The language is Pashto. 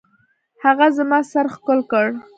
هغه زما سر ښكل كړ.